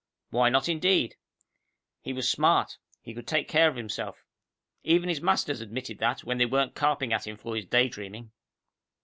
_ Why not indeed? He was smart; he could take care of himself. Even his masters admitted that, when they weren't carping at him for his daydreaming.